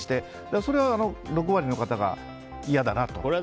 それは６割の方が嫌だなと。